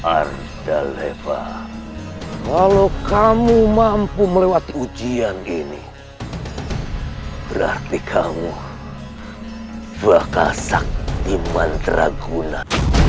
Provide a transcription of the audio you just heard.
ardal heva kalau kamu mampu melewati ujian ini berarti kamu bakal sakti mantra guna